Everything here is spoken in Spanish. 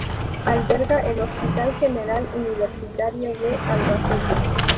Alberga el Hospital General Universitario de Albacete.